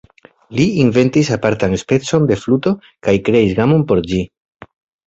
Li inventis apartan specon de fluto kaj kreis gamon por ĝi.